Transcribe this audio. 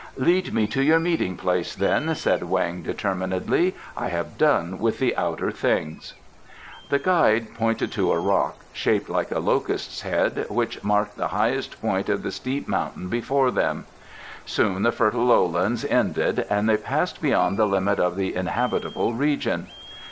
"Lead me to your meeting place, then," said Weng determinedly. "I have done with the outer things." The guide pointed to a rock, shaped like a locust's head, which marked the highest point of the steep mountain before them. Soon the fertile lowlands ended and they passed beyond the limit of the inhabitable region.